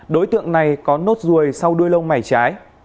đối tượng này có nốt ruồi sau đuôi lông mày trái